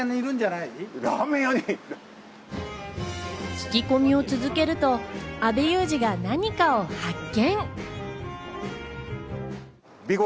聞き込みを続けると阿部祐二が何かを発見。